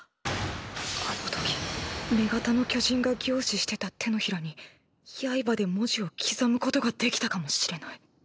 あの時女型の巨人が凝視してた手のひらに刃で文字を刻むことができたかもしれない。